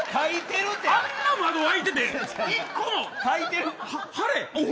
あんな窓、開いてて１個も。